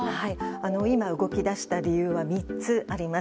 今、動き出した理由は３つあります。